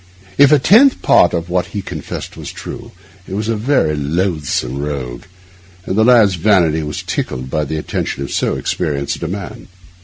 If a tenth part of what he confessed were true, he was a very loathsome rogue; and the lad's vanity was tickled by the attention of so experienced a man.